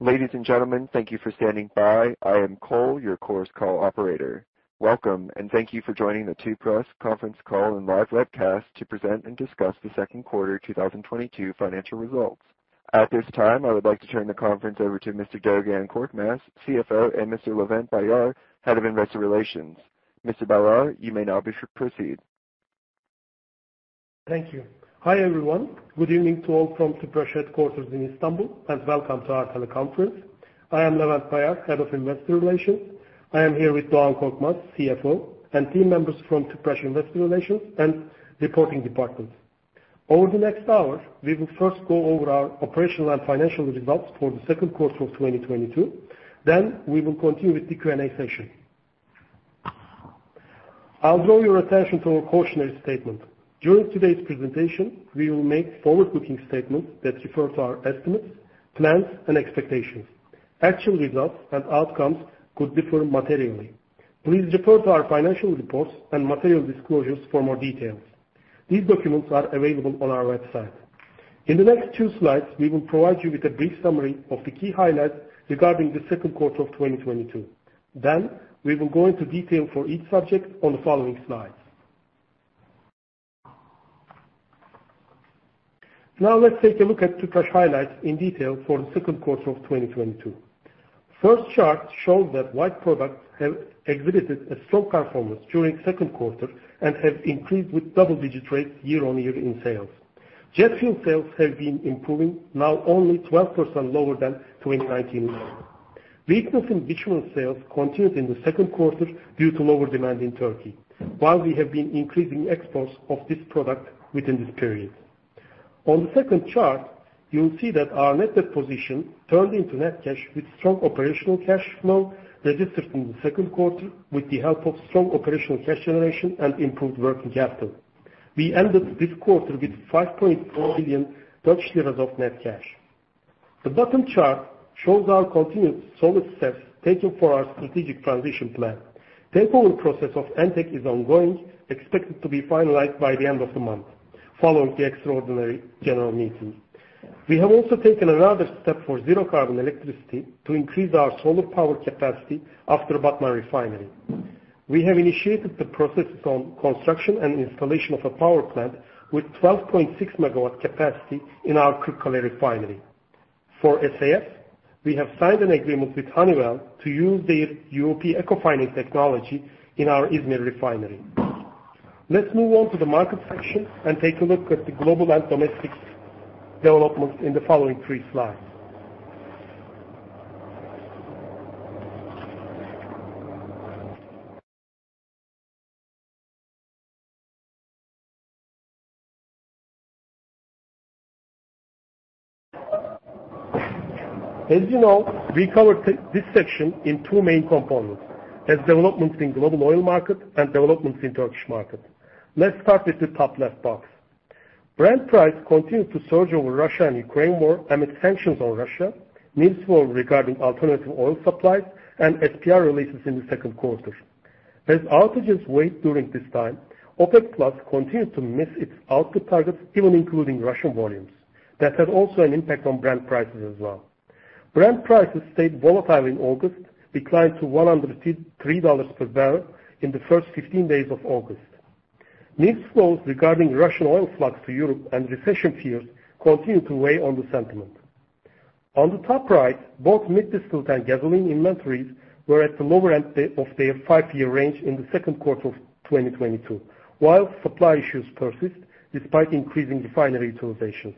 Ladies and gentlemen, thank you for standing by. I am Cole, your Chorus Call operator. Welcome and thank you for joining the Tüpraş conference call and live webcast to present and discuss the second quarter 2022 financial results. At this time, I would like to turn the conference over to Mr. Doğan Korkmaz, CFO, and Mr. Levent Bayar, Head of Investor Relations. Mr. Bayar, you may now proceed. Thank you. Hi, everyone. Good evening to all from Tüpraş headquarters in Istanbul, and welcome to our teleconference. I am Levent Bayar, Head of Investor Relations. I am here with Doğan Korkmaz, CFO, and team members from Tüpraş Investor Relations and Reporting Department. Over the next hour, we will first go over our operational and financial results for the second quarter of 2022. We will continue with the Q&A session. I'll draw your attention to a cautionary statement. During today's presentation, we will make forward-looking statements that refer to our estimates, plans, and expectations. Actual results and outcomes could differ materially. Please refer to our financial reports and material disclosures for more details. These documents are available on our website. In the next two slides, we will provide you with a brief summary of the key highlights regarding the second quarter of 2022. We will go into detail for each subject on the following slides. Now let's take a look at Tüpraş highlights in detail for the second quarter of 2022. First chart shows that white products have exhibited a strong performance during second quarter and have increased with double-digit rates year-on-year in sales. Jet fuel sales have been improving, now only 12% lower than 2019 levels. Weakness in bitumen sales continued in the second quarter due to lower demand in Turkey while we have been increasing exports of this product within this period. On the second chart, you'll see that our net debt position turned into net cash with strong operational cash flow registered in the second quarter with the help of strong operational cash generation and improved working capital. We ended this quarter with 5.4 million of net cash. The bottom chart shows our continued solid steps taken for our strategic transition plan. Takeover process of Entek is ongoing, expected to be finalized by the end of the month following the extraordinary general meeting. We have also taken another step for zero carbon electricity to increase our solar power capacity after Batman Refinery. We have initiated the processes on construction and installation of a power plant with 12.6 MW capacity in our Kırıkkale Refinery. For SAF, we have signed an agreement with Honeywell to use their UOP Ecofining technology in our İzmir Refinery. Let's move on to the market section and take a look at the global and domestic developments in the following three slides. As you know, we covered this section in two main components, as developments in global oil market and developments in Turkish market. Let's start with the top left box. Brent price continued to surge over Russia and Ukraine war amid sanctions on Russia, news flow regarding alternative oil supplies, and SPR releases in the second quarter. Outages weighed during this time, OPET continued to miss its output targets, even including Russian volumes. That had also an impact on Brent prices as well. Brent prices stayed volatile in August, declined to $103 per barrel in the first 15 days of August. News flows regarding Russian oil flow to Europe and recession fears continued to weigh on the sentiment. On the top right, both middle distillate and gasoline inventories were at the lower end of their five-year range in the second quarter of 2022, while supply issues persist despite increasing refinery utilization.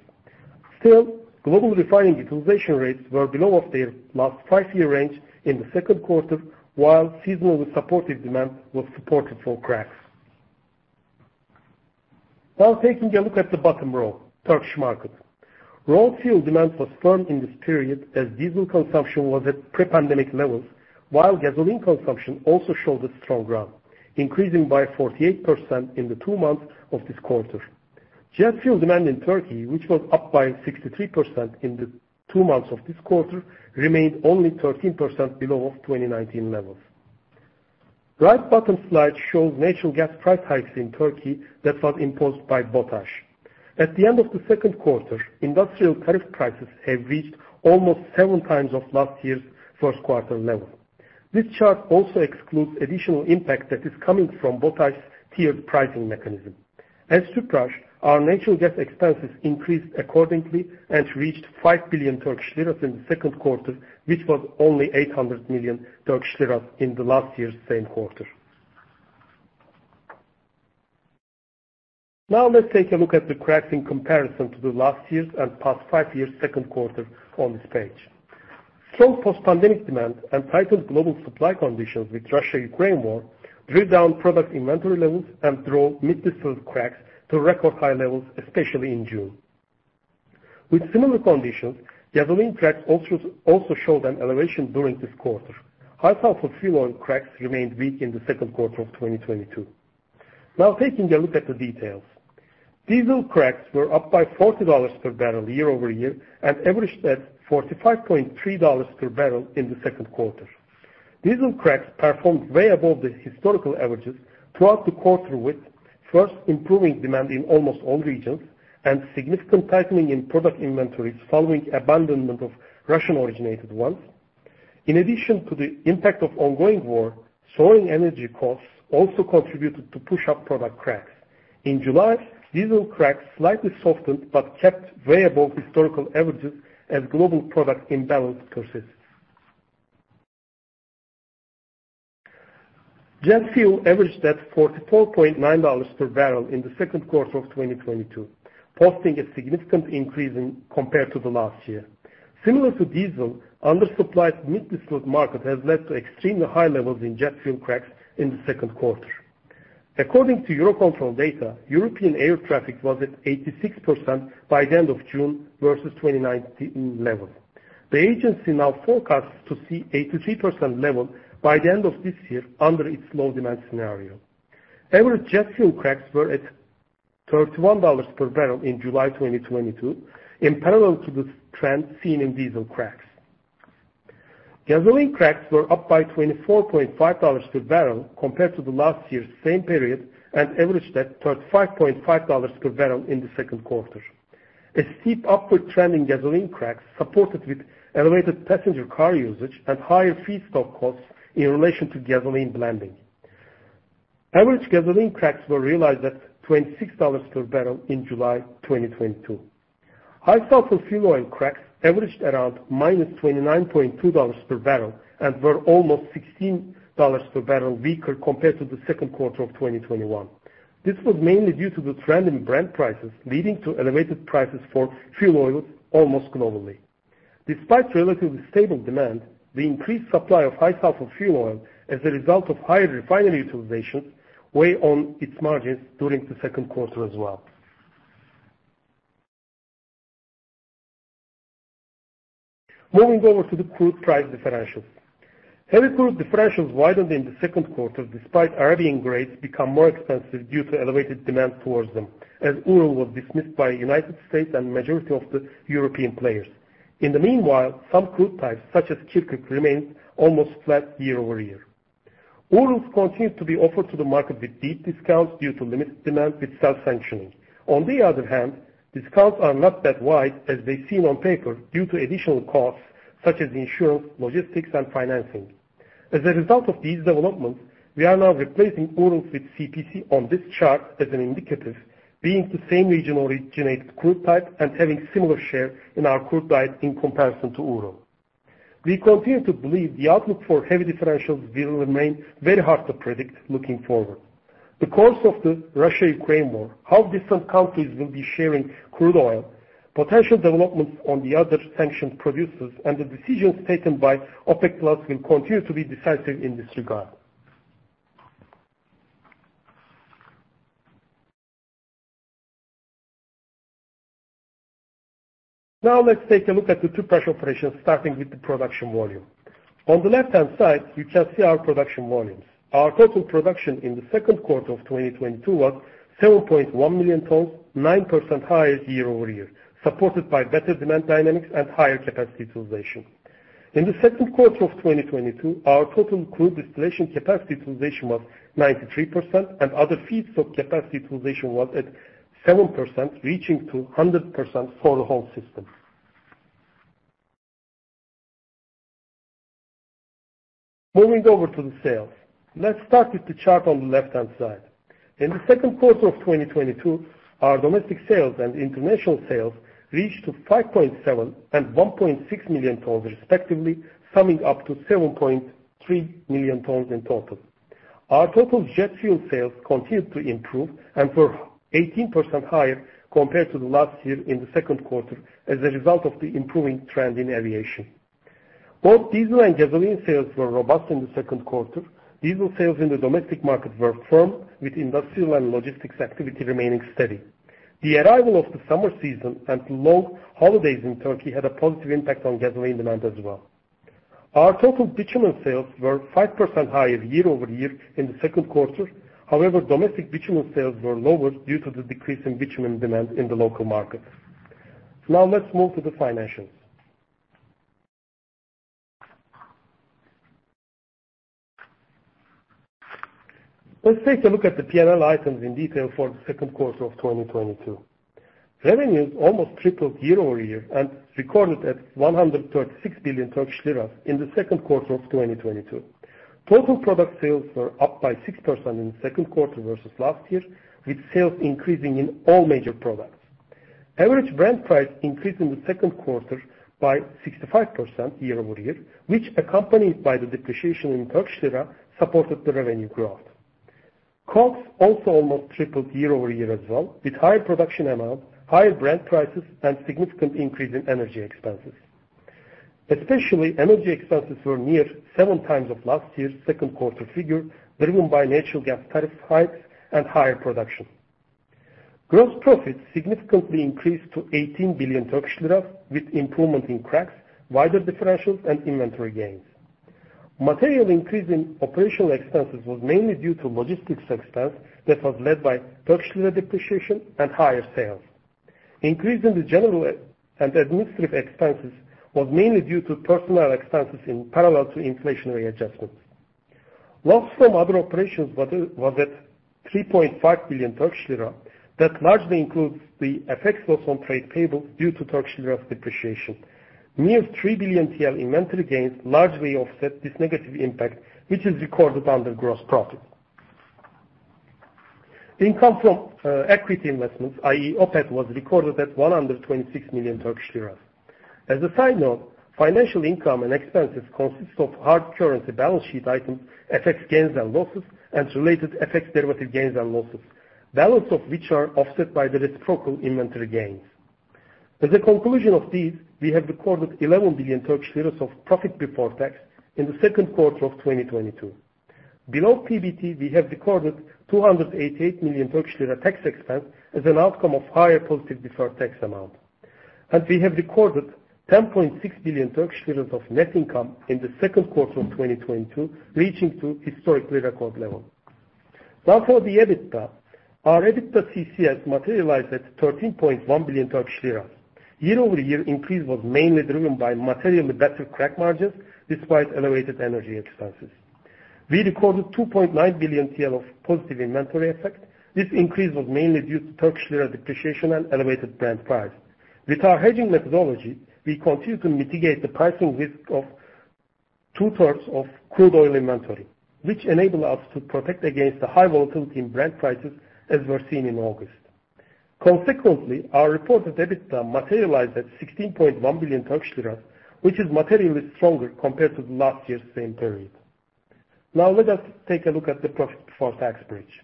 Global refining utilization rates were below their last five-year range in the second quarter, while seasonally supportive demand supported cracks. Now taking a look at the bottom row, Turkish market. Road fuel demand was firm in this period as diesel consumption was at pre-pandemic levels, while gasoline consumption also showed a strong run, increasing by 48% in the two months of this quarter. Jet fuel demand in Turkey, which was up by 63% in the two months of this quarter, remained only 13% below 2019 levels. Right bottom slide shows natural gas price hikes in Turkey that was imposed by BOTAŞ. At the end of the second quarter, industrial tariff prices have reached almost seven times of last year's first quarter level. This chart also excludes additional impact that is coming from BOTAŞ's tiered pricing mechanism. At Tüpraş, our natural gas expenses increased accordingly and reached TL five billion in the second quarter, which was only TL 800 million in the last year's same quarter. Now let's take a look at the cracks in comparison to the last year's and past five years' second quarter on this page. Slow post-pandemic demand and tightened global supply conditions with Russia-Ukraine war drew down product inventory levels and drove middle distillate cracks to record high levels, especially in June. With similar conditions, gasoline cracks also showed an elevation during this quarter. High sulfur fuel oil cracks remained weak in the second quarter of 2022. Now taking a look at the details. Diesel cracks were up by $40 per barrel year-over-year and averaged at $45.3 per barrel in the second quarter. Diesel cracks performed way above the historical averages throughout the quarter with firstly improving demand in almost all regions and significant tightening in product inventories following abandonment of Russian-originated ones. In addition to the impact of ongoing war, soaring energy costs also contributed to push up product cracks. In July, diesel cracks slightly softened but kept way above historical averages as global product imbalance persisted. Jet fuel averaged at $44.9 per barrel in the second quarter of 2022, posting a significant increase compared to the last year. Similar to diesel, undersupplied Middle East market has led to extremely high levels in jet fuel cracks in the second quarter. According to EUROCONTROL data, European air traffic was at 86% by the end of June, versus 2019 levels. The agency now forecasts to see 83% level by the end of this year under its low demand scenario. Average jet fuel cracks were at $31 per barrel in July 2022, in parallel to the trend seen in diesel cracks. Gasoline cracks were up by $24.5 per barrel compared to the last year's same period, and averaged at $35.5 per barrel in the second quarter. A steep upward trend in gasoline cracks supported with elevated passenger car usage and higher feedstock costs in relation to gasoline blending. Average gasoline cracks were realized at $26 per barrel in July 2022. High sulfur fuel oil cracks averaged around -$29.2 per barrel, and were almost $16 per barrel weaker compared to the second quarter of 2021. This was mainly due to the trend in Brent prices, leading to elevated prices for fuel oils almost globally. Despite relatively stable demand, the increased supply of high sulfur fuel oil as a result of higher refinery utilization weighed on its margins during the second quarter as well. Moving over to the crude price differentials. Heavy crude differentials widened in the second quarter despite Arabian grades becoming more expensive due to elevated demand towards them, as Urals was dismissed by United States and majority of the European players. Meanwhile, some crude types, such as Kirkuk, remained almost flat year-over-year. Urals continued to be offered to the market with deep discounts due to limited demand with self-sanctioning. On the other hand, discounts are not that wide as they seem on paper due to additional costs such as insurance, logistics, and financing. As a result of these developments, we are now replacing Urals with CPC on this chart as an indicative, being the same region-originated crude type and having similar share in our crude diet in comparison to Urals. We continue to believe the outlook for heavy differentials will remain very hard to predict looking forward. The course of the Russia-Ukraine war, how different countries will be sharing crude oil, potential developments on the other sanctioned producers, and the decisions taken by OPEC+ will continue to be decisive in this regard. Now let's take a look at the Tüpraş operations, starting with the production volume. On the left-hand side, you can see our production volumes. Our total production in the second quarter of 2022 was 7.1 million tons, 9% higher year-over-year, supported by better demand dynamics and higher capacity utilization. In the second quarter of 2022, our total crude distillation capacity utilization was 93%, and other feedstock capacity utilization was at 7%, reaching 100% for the whole system. Moving over to the sales. Let's start with the chart on the left-hand side. In the second quarter of 2022, our domestic sales and international sales reached 5.7 and 1.6 million tons respectively, summing up to 7.3 million tons in total. Our total jet fuel sales continued to improve and were 18% higher compared to the last year in the second quarter as a result of the improving trend in aviation. Both diesel and gasoline sales were robust in the second quarter. Diesel sales in the domestic market were firm, with industrial and logistics activity remaining steady. The arrival of the summer season and long holidays in Turkey had a positive impact on gasoline demand as well. Our total bitumen sales were 5% higher year-over-year in the second quarter. However, domestic bitumen sales were lower due to the decrease in bitumen demand in the local market. Now let's move to the financials. Let's take a look at the P&L items in detail for the second quarter of 2022. Revenues almost tripled year-over-year and recorded at 136 billion Turkish lira in the second quarter of 2022. Total product sales were up by 6% in the second quarter versus last year, with sales increasing in all major products. Average brand price increased in the second quarter by 65% year-over-year, which accompanied by the depreciation in Turkish lira, supported the revenue growth. Costs also almost tripled year-over-year as well, with higher production amounts, higher brand prices, and significant increase in energy expenses. Especially, energy expenses were near seven times of last year's second quarter figure, driven by natural gas tariff hikes and higher production. Gross profits significantly increased to 18 billion Turkish lira, with improvement in cracks, wider differentials, and inventory gains. Material increase in operational expenses was mainly due to logistics expense that was led by Turkish lira depreciation and higher sales. Increase in the general and administrative expenses was mainly due to personnel expenses in parallel to inflationary adjustments. Loss from other operations was at 3.5 billion Turkish lira. That largely includes the FX loss on trade payables due to Turkish lira's depreciation. Near TL three billion inventory gains largely offset this negative impact, which is recorded under gross profit. The income from equity investments, i.e., OPEC, was recorded at TL 126 million. As a side note, financial income and expenses consists of hard currency balance sheet items, FX gains and losses, and related FX derivative gains and losses, balance of which are offset by the reciprocal inventory gains. As a conclusion of these, we have recorded TL 11 billion of profit before tax in the second quarter of 2022. Below PBT, we have recorded TL 288 million tax expense as an outcome of higher positive deferred tax amount. We have recorded 10.6 billion of net income in the second quarter of 2022, reaching to historically record level. Now for the EBITDA. Our EBITDA CCS materialized at 13.1 billion Turkish lira. Year-over-year increase was mainly driven by materially better crack margins despite elevated energy expenses. We recorded 2.9 billion TL of positive inventory effect. This increase was mainly due to Turkish lira depreciation and elevated Brent price. With our hedging methodology, we continue to mitigate the pricing risk of two-thirds of crude oil inventory, which enable us to protect against the high volatility in Brent prices as we've seen in August. Consequently, our reported EBITDA materialized at 16.1 billion Turkish lira, which is materially stronger compared to last year's same period. Now let us take a look at the profit before tax bridge.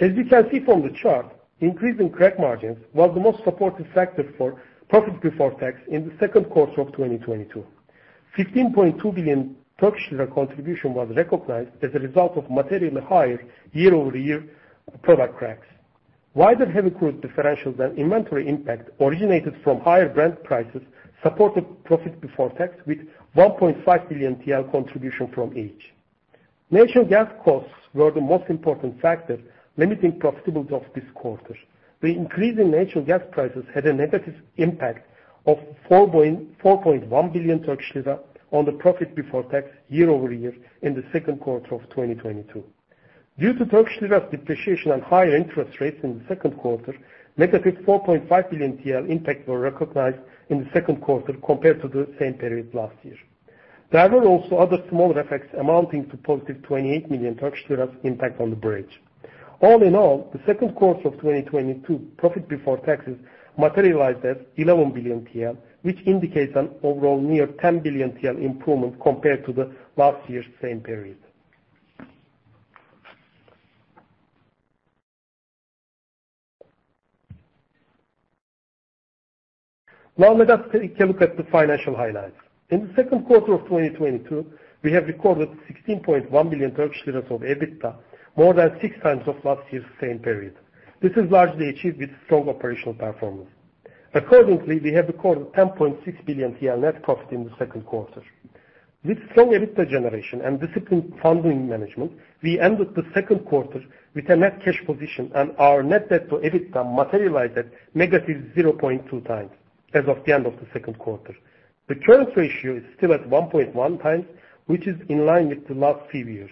As you can see from the chart, increase in crack margins was the most supportive factor for profit before tax in the second quarter of 2022. 15.2 billion contribution was recognized as a result of materially higher year-over-year product cracks. Wider heavy crude differentials and inventory impact originated from higher Brent prices supported profit before tax with 1.5 billion TL contribution from each. Natural gas costs were the most important factor limiting profitability of this quarter. The increase in natural gas prices had a negative impact of 4.1 billion Turkish lira on the profit before tax year-over-year in the second quarter of 2022. Due to Turkish lira's depreciation and higher interest rates in the second quarter, negative 4.5 billion TL impact were recognized in the second quarter compared to the same period last year. There were also other smaller effects amounting to positive 28 million impact on the bridge. All in all, the second quarter of 2022 profit before taxes materialized at 11 billion TL, which indicates an overall near 10 billion TL improvement compared to last year's same period. Now let us take a look at the financial highlights. In the second quarter of 2022, we have recorded 16.1 billion of EBITDA, more than 6 times last year's same period. This is largely achieved with strong operational performance. Accordingly, we have recorded 10.6 billion TL net profit in the second quarter. With strong EBITDA generation and disciplined funding management, we ended the second quarter with a net cash position, and our net debt to EBITDA materialized at negative 0.2x as of the end of the second quarter. The current ratio is still at 1.1 times, which is in line with the last few years.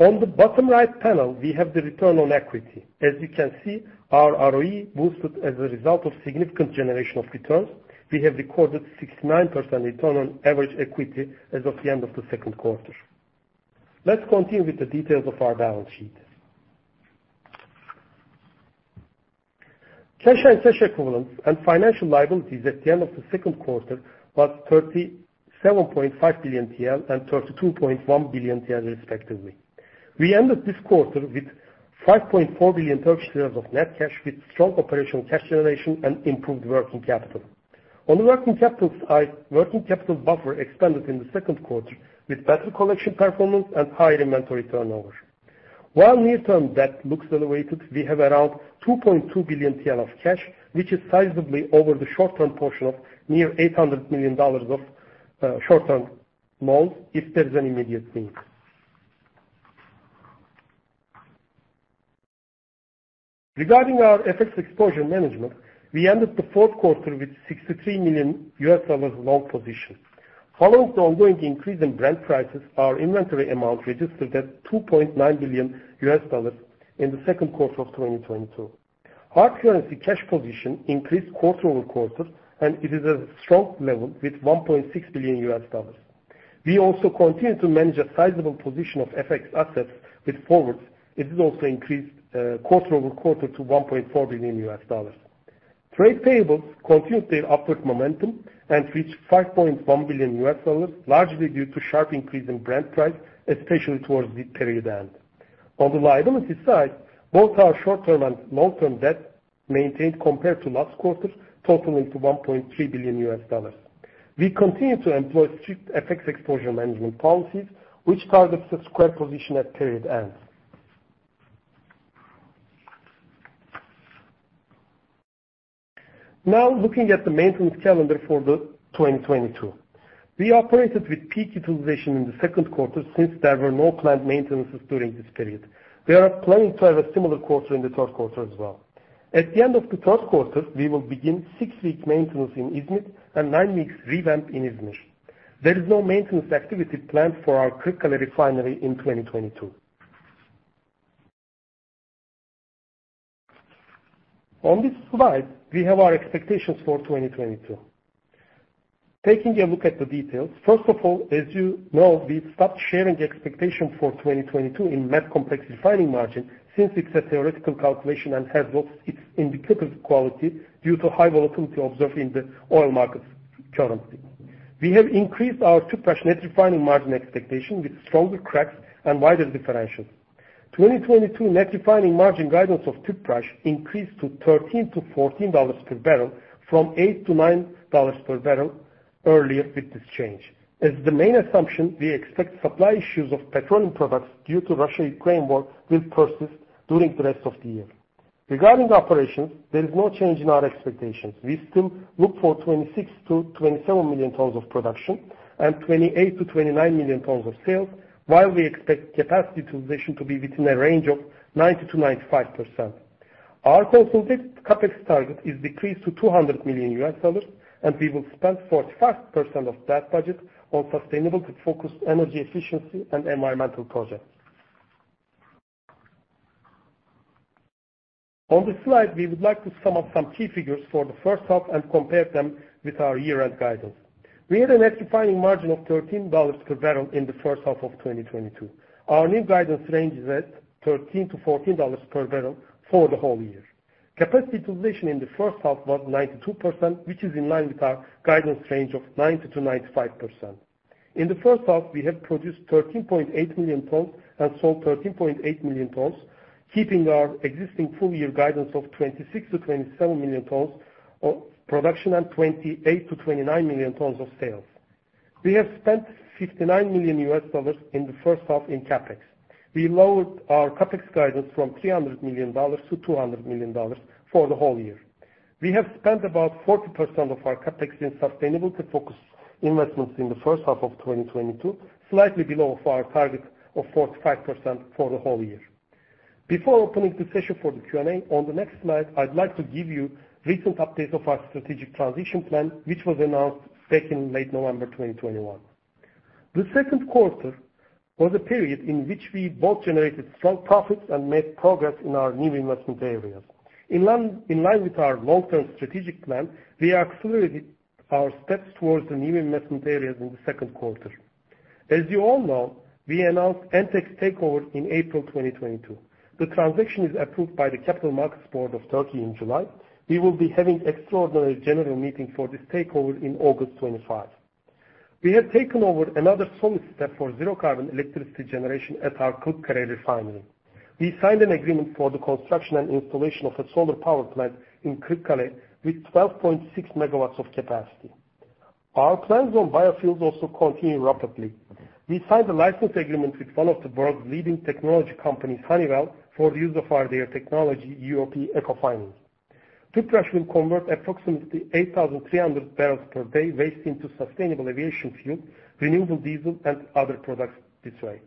On the bottom right panel, we have the return on equity. As you can see, our ROE boosted as a result of significant generation of returns. We have recorded 69% return on average equity as of the end of the second quarter. Let's continue with the details of our balance sheet. Cash and cash equivalents and financial liabilities at the end of the second quarter was 37.5 billion TL and 32.1 billion TL, respectively. We ended this quarter with 5.4 billion of net cash with strong operational cash generation and improved working capital. On the working capital side, working capital buffer expanded in the second quarter with better collection performance and higher inventory turnover. While near-term debt looks elevated, we have around 2.2 billion TL of cash, which is sizably over the short-term portion of near $800 million of short-term loans if there's an immediate need. Regarding our FX exposure management, we ended the fourth quarter with $63 million long position. Following the ongoing increase in Brent prices, our inventory amount registered at $2.9 billion in the second quarter of 2022. Hard currency cash position increased quarter-over-quarter, and it is at a strong level with $1.6 billion. We also continue to manage a sizable position of FX assets with forwards. It is also increased quarter-over-quarter to $1.4 billion. Trade payables continued their upward momentum and reached $5.1 billion, largely due to sharp increase in Brent price, especially towards the period end. On the liabilities side, both our short-term and long-term debt maintained compared to last quarter, totaling to $1.3 billion. We continue to employ strict FX exposure management policies, which targets a square position at period end. Now looking at the maintenance calendar for 2022. We operated with peak utilization in the second quarter since there were no planned maintenances during this period. We are planning to have a similar quarter in the third quarter as well. At the end of the third quarter, we will begin 6-week maintenance in Izmit and nine-week revamp in Izmir. There is no maintenance activity planned for our Kırıkkale refinery in 2022. On this slide, we have our expectations for 2022. Taking a look at the details, first of all, as you know, we've stopped sharing the expectation for 2022 in Med complex refining margin since it's a theoretical calculation and has lost its indicative quality due to high volatility observed in the oil markets currently. We have increased our Tüpraş net refining margin expectation with stronger cracks and wider differentials. 2022 net refining margin guidance of Tüpraş increased to $13-$14 per barrel, from $8-$9 per barrel earlier with this change. As the main assumption, we expect supply issues of petroleum products due to Russia-Ukraine war will persist during the rest of the year. Regarding the operations, there is no change in our expectations. We still look for 26-27 million tons of production and 28-29 million tons of sales, while we expect capacity utilization to be within a range of 90%-95%. Our consolidated CapEx target is decreased to $200 million, and we will spend 45% of that budget on sustainability-focused energy efficiency and environmental projects. On this slide, we would like to sum up some key figures for the first half and compare them with our year-end guidance. We had a net refining margin of $13 per barrel in the first half of 2022. Our new guidance range is at $13-$14 per barrel for the whole year. Capacity utilization in the first half was 92%, which is in line with our guidance range of 90%-95%. In the first half, we have produced 13.8 million tons and sold 13.8 million tons, keeping our existing full year guidance of 26-27 million tons of production and 28-29 million tons of sales. We have spent $59 million in the first half in CapEx. We lowered our CapEx guidance from $300 million to $200 million for the whole year. We have spent about 40% of our CapEx in sustainability-focused investments in the first half of 2022, slightly below our target of 45% for the whole year. Before opening the session for the Q&A, on the next slide, I'd like to give you recent updates of our strategic transition plan, which was announced back in late November 2021. The second quarter was a period in which we both generated strong profits and made progress in our new investment areas. In line with our long-term strategic plan, we accelerated our steps towards the new investment areas in the second quarter. As you all know, we announced Entek's takeover in April 2022. The transaction is approved by the Capital Markets Board of Turkey in July. We will be having extraordinary general meeting for this takeover in August 2022. We have taken another solid step for zero carbon electricity generation at our Kırıkkale refinery. We signed an agreement for the construction and installation of a solar power plant in Kırıkkale with 12.6 MW of capacity. Our plans on biofuels also continue rapidly. We signed a license agreement with one of the world's leading technology companies, Honeywell, for use of their technology, UOP Ecofining. Tüpraş will convert approximately 8,300 barrels per day waste into Sustainable Aviation Fuel, Renewable Diesel, and other products this way.